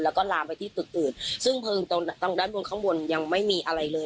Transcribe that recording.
แล้วก็ลามไปที่ตึกอื่นซึ่งเพลิงตรงด้านบนข้างบนยังไม่มีอะไรเลย